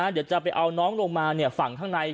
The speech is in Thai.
เดี๋ยวจะไปเอาน้องลงมาฝั่งข้างใน